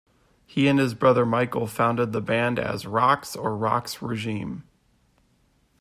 He and his brother Michael founded the band as Roxx or Roxx Regime.